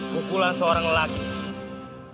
kukulan seorang lagi